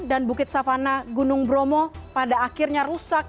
dan bukit savana gunung bromo pada akhirnya rusak